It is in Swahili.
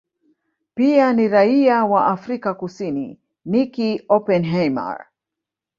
Pia ni raia wa Afrika Kusini Nicky Oppenheimer